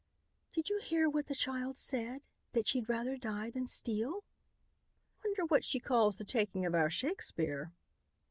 "Did you hear what the child said, that she'd rather die than steal?" "Wonder what she calls the taking of our Shakespeare?"